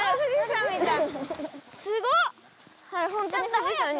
すごい。